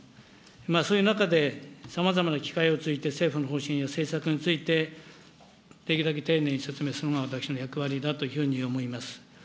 そういう中で、さまざまな機会を通じて政府の方針や政策について、できるだけ丁寧に説明するのが私の役割だというふうに思います。